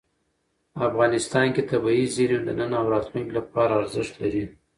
افغانستان کې طبیعي زیرمې د نن او راتلونکي لپاره ارزښت لري.